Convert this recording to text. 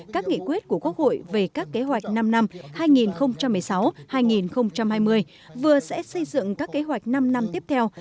các nghị quyết của quốc hội về các kế hoạch năm năm hai nghìn một mươi sáu hai nghìn hai mươi vừa sẽ xây dựng các kế hoạch năm năm tiếp theo